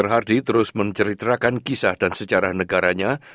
mr hardy terus menceritakan kisah dan sejarah negaranya